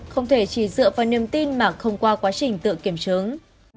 không thể chỉ dựa vào niềm tin mà không qua quá trình tự kiểm chứng